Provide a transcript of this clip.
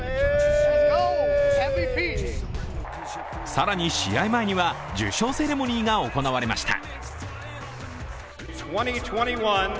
更に試合前には受賞セレモニーが行われました。